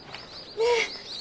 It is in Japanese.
ねえ。